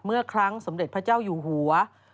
เมื่อครั้งสมเด็จพระเจ้าอยู่หัว